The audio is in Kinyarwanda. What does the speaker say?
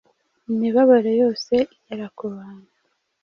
imibabaro yose igera ku bantu.